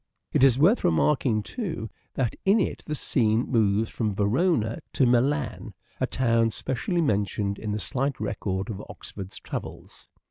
It is worth remarking, too, that in it the scene moves from Verona to Milan, a town specially mentioned in the slight record of Oxford's travels.